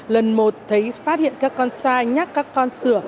lần một thấy phát hiện các con sai nhắc các con sửa